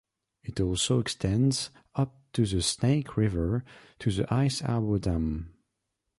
It also extends up the Snake River to the Ice Harbor Dam.